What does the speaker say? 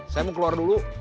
saya mau keluar dulu